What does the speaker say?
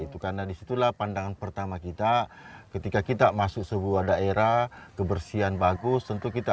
itu karena disitulah pandangan pertama kita ketika kita masuk sebuah daerah kebersihan bagus tentu kita